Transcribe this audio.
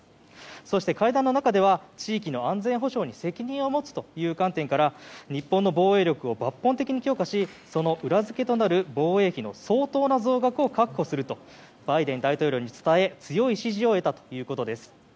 そして会談の中では地域の安全保障に責任を持つという観点から日本の防衛力を抜本的に強化しその裏付けとなる防衛費の相当な増額を確保するとバイデン大統領に伝え強い支持を得たということです。